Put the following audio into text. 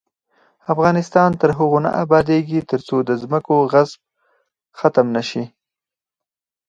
افغانستان تر هغو نه ابادیږي، ترڅو د ځمکو غصب ختم نشي.